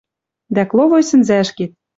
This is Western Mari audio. Дӓ кловой сӹнзӓшкет